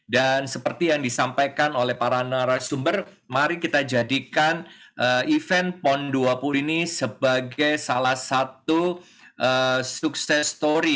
dan seperti yang disampaikan oleh para narasumber mari kita jadikan event pon dua puluh ini sebagai salah satu sukses story